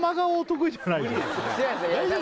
大丈夫？